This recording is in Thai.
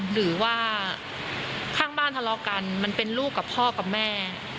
หรือว่าข้างบ้านทะเลาะกันมันเป็นลูกกับพ่อกับแม่